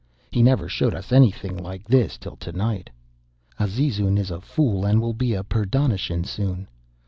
He never showed us anything like this till to night. Azizun is a fool, and will be a pur dahnashin soon.